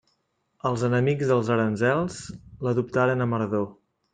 Els enemics dels aranzels l'adoptaren amb ardor.